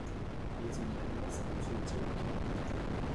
Yettemyeḥmaẓ amzun d tawekka.